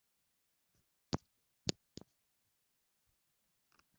Kuhamahama kwa mifugo huchangia ugonjwa wa miguu na midomo kutokea